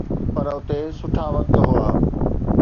پر اتي سٺا وقت هئا.